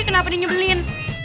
kenapa ini nyebelin